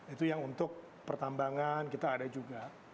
itu yang untuk pertambangan kita ada juga